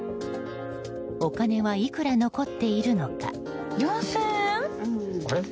お金はいくら残っているのか。